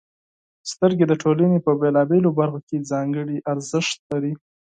• سترګې د ټولنې په بېلابېلو برخو کې ځانګړې ارزښت لري.